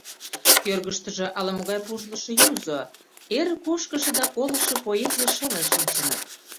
Кӧргыштыжӧ ала-могай пужлышо юзо, эр кошкышо да колышо поэзий шылын шинчыныт.